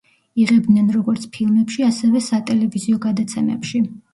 იღებდნენ როგორც ფილმებში, ასევე სატელევიზიო გადაცემებში.